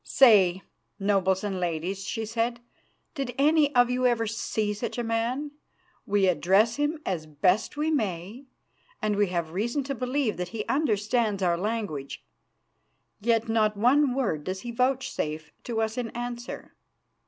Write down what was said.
"Say, nobles and ladies," she said, "did any of you ever see such a man? We address him as best we may and we have reason to believe that he understands our language yet not one word does he vouchsafe to us in answer.